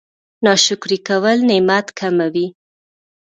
ناشکري کول نعمت کموي